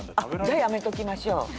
じゃあやめときましょう。